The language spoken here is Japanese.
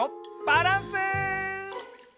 バランス！